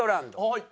はい。